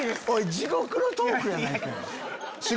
地獄のトークやないかい！